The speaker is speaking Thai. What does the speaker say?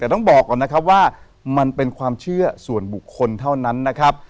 แต่ต้องบอกก่อนนะครับว่ามันเป็นความเชื่อส่วนบุคคลเท่านั้นนะครับ